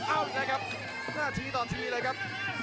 เอาอีกแล้วครับหน้าทีต่อทีเลยครับ